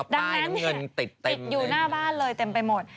ดังนั้นเห็นติดอยู่หน้าบ้านเลยเต็มไปหมด